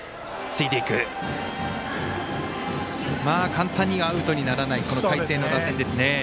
簡単にアウトにはならないこの海星の打線ですね。